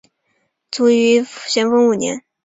卒于咸丰五年。